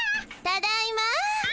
・ただいま。